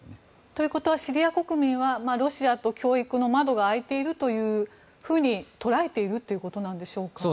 ということはシリア国民はロシアと教育の窓が開いていると捉えているとういことなんでしょうか。